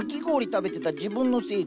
食べてた自分のせいでは。